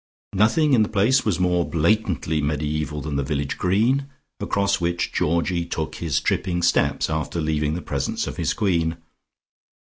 Nothing in the place was more blatantly mediaeval than the village green, across which Georgie took his tripping steps after leaving the presence of his queen.